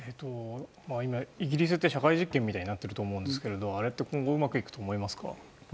今、イギリスって社会実験みたいになっていると思うんですけどあれって今後うまくいくと思いますか？